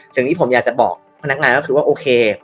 สิ่งที่ผมอยากจะบอกพนักงานก็คือว่าโอเค